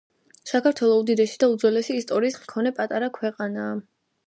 საქართველო უდიდესი და უძველესი ისტორიის მქონე პატარა ქვეყანაა